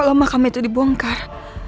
kalo makam itu dibongkar